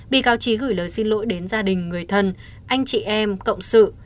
bị cáo trí gửi lời xin lỗi đến gia đình người thân anh chị em cộng sự